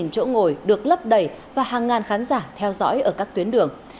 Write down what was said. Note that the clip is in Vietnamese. năm chỗ ngồi được lấp đầy và hàng ngàn khán giả theo dõi ở các tuyến đường